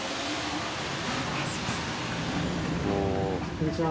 こんにちは。